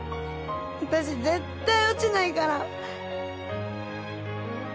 私絶対落ちないから！